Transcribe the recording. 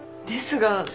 ですが。